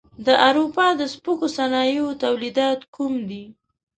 د اروپا د سپکو صنایعو تولیدات کوم دي؟